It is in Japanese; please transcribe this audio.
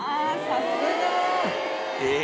さすが！え！